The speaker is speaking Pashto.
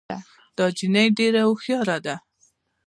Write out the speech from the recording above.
دا جینۍ ډېره هوښیاره ده